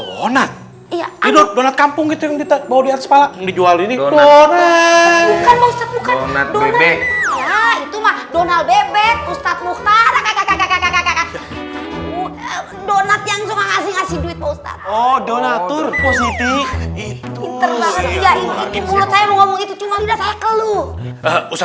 post op donatur positif itu terbang saya mau ngomong itu cuma udah saya keluh usah